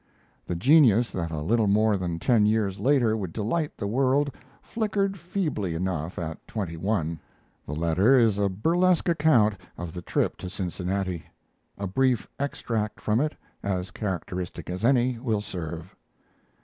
The genius that a little more than ten years later would delight the world flickered feebly enough at twenty one. The letter is a burlesque account of the trip to Cincinnati. A brief extract from it, as characteristic as any, will serve.